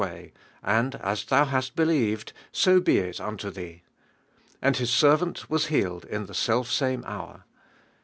way; and as thou Imst believed, so be it unto Hue. Aufl his servaut was lualed in the self same hour